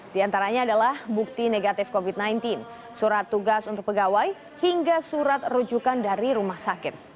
di antaranya adalah bukti negatif covid sembilan belas surat tugas untuk pegawai hingga surat rujukan dari rumah sakit